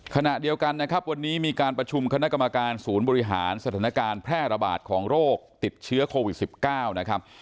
ขณะเดียวกันนะครับวันนี้มีการประชุมคณะกรรมการศูนย์บริหารสถานการณ์แพร่ระบาดของโรคติดเชื้อโควิด๑๙นะครับ